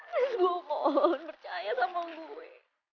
terus gua mohon percaya sama gue